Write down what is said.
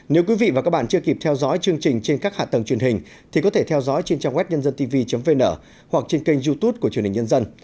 nếu quý vị và các bạn chưa kịp theo dõi chương trình trên các hạ tầng truyền hình thì có thể theo dõi trên trang web nhândântv vn hoặc trên kênh youtube của truyền hình nhân dân